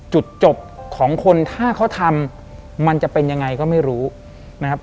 จุดจบของคนถ้าเขาทำมันจะเป็นยังไงก็ไม่รู้นะครับ